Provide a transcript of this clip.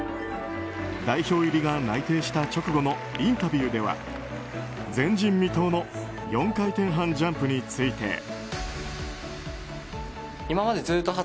代表入りが内定した直後のインタビューでは前人未到の４回転半ジャンプについて。